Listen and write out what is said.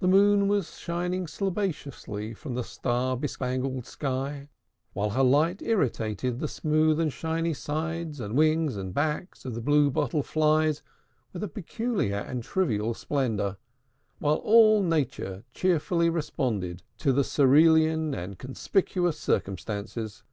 The Moon was shining slobaciously from the star bespangled sky, while her light irrigated the smooth and shiny sides and wings and backs of the Blue Bottle Flies with a peculiar and trivial splendor, while all Nature cheerfully responded to the cerulean and conspicuous circumstances.